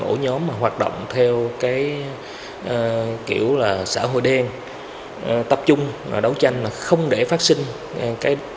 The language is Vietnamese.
ổ nhóm mà hoạt động theo cái kiểu là xã hội đen tập trung và đấu tranh là không để phát sinh cái